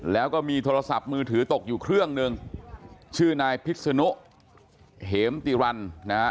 แล้วก็มีโทรศัพท์มือถือตกอยู่เครื่องหนึ่งชื่อนายพิษนุเหมติรันนะฮะ